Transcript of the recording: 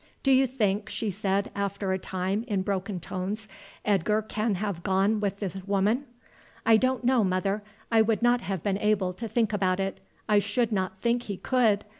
"Do you think," she said after a time in broken tones, "Edgar can have gone with this woman?" "I don't know, mother; I have not been able to think about it. I should not think he could.